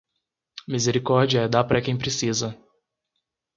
Misericórdia é dar para quem precisa